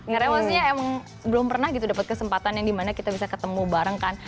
karena maksudnya emang belum pernah gitu dapet kesempatan yang dimana kita bisa ketemu bareng kan